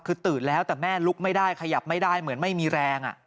คือตื่นแล้วแต่แม่ลุกไม่ได้ขยับไม่ได้เหมือนไม่มีแรง